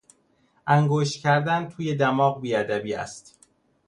انگشت کردن توی دماغ بیادبی است.